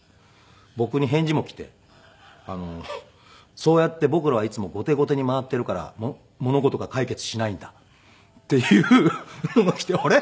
僕に返事も来て「そうやって僕らはいつも後手後手に回っているから物事が解決しないんだ」っていうのが来てあれ？